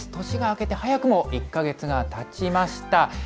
年が明けて、早くも１か月がたちました。